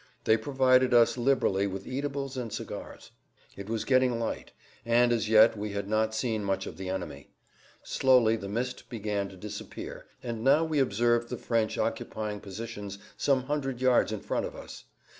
They provided us liberally with eatables and cigars. [Pg 124]It was getting light, and as yet we had not seen much of the enemy. Slowly the mist began to disappear, and now we observed the French occupying positions some hundred yards in front of us.